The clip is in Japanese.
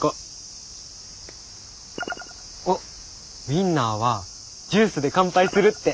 ウインナーは「ジュースで乾杯する」って。